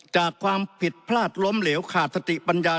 จากความผิดพลาดล้มเหลวขาดสติปัญญา